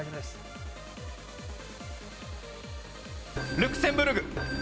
ルクセンブルク。